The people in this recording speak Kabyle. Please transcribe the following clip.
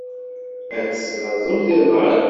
Ad teslaẓemt iḍan.